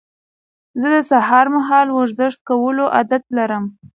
زه د سهار مهال ورزش کولو عادت لرم.